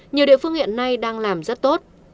nhiều địa phương hiện nay đang làm rất tốt